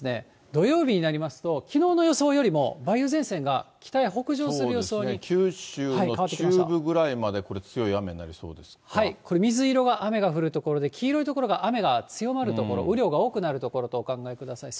土曜日になりますと、きのうの予想よりも梅雨前線が北へ北上する予想に変わってきまし九州の中部ぐらいまで、これ、これ、水色が雨が降る所で、黄色が雨が強まる所、雨量が多くなる所とお考えください。